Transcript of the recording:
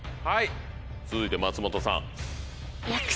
はい続いて松本さん。